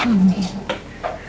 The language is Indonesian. dan kamu harus ingat satu din